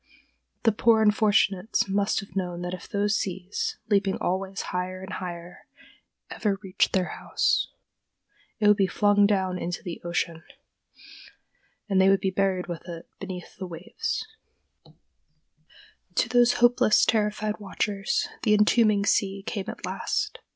The poor unfortunates must have known that if those seas, leaping always higher and higher, ever reached their house, it would be flung down into the ocean, and they would be buried with it beneath the waves. [Illustration: A SCREW PILE OCEAN LIGHTHOUSE.] To those hopeless, terrified watchers the entombing sea came at last.